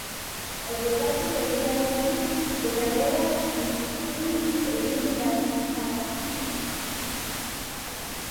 Horietatik erdia gutxi gorabehera itzuli egin da jada.